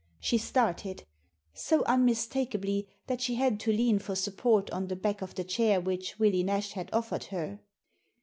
She started — so unmistakably, that she had to lean for support on the back of the chair which Willie Nash had offered her.